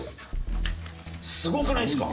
すごくないですか？